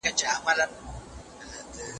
دا اثار ولس ته الهام ورکوي.